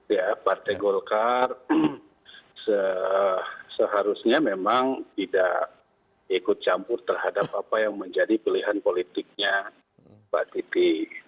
ya partai golkar seharusnya memang tidak ikut campur terhadap apa yang menjadi pilihan politiknya mbak titi